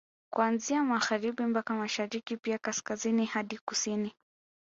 Kuanzia Magharibi mpaka Mashariki pia Kaskazini hadi Kusini